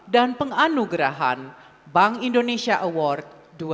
dan penganugerahan bank indonesia award dua ribu dua puluh dua